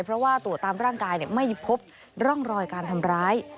เพราะว่าตรวจตามร่างกายไม่พบร่องรอยการทำร้าย